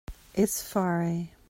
is fear é